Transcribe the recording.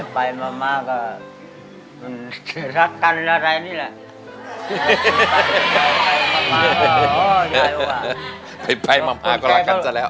ไปมาก็รักกันซะแล้ว